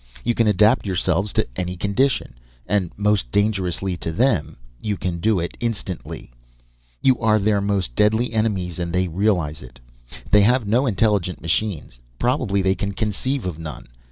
You can adapt yourselves to any condition. And most dangerous to them you can do it instantly. You are their most deadly enemies, and they realize it. They have no intelligent machines; probably they can conceive of none.